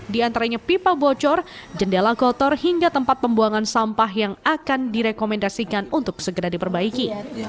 di antaranya pipa bocor jendela kotor hingga tempat pembuangan sampah yang akan direkomendasikan untuk segera diperbaiki